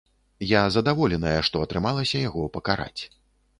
Я задаволеная, што атрымалася яго пакараць.